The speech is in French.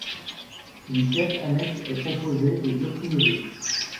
Une quête annexe est proposée et dure tout le jeu.